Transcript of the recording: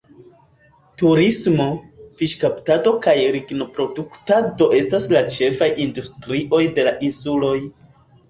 Turismo, fiŝkaptado kaj lignoproduktado estas la ĉefaj industrioj de la insuloj.